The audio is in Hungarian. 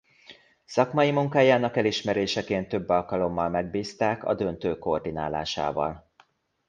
Szakmai munkájának elismeréseként több alkalommal megbízták a döntő koordinálásával.